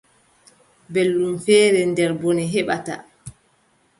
Belɗum feere nder bone heɓata.